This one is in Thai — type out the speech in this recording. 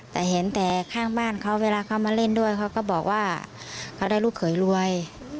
แต่เห็นแต่ข้างบ้านเขาเวลาเขามาเล่นด้วยเขาก็บอกว่าเขาได้ลูกเขยรวย